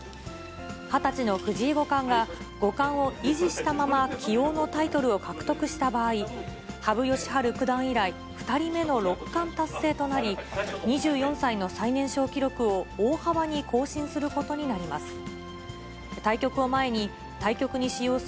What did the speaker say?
２０歳の藤井五冠が、五冠を維持したまま棋王のタイトルを獲得した場合、羽生善治九段以来、２人目の六冠達成となり、２４歳の最年少記録を大幅に更新することになります。